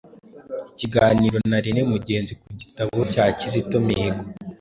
Ikiganiro na Rene Mugenzi ku gitabo cya Kizito Mihigo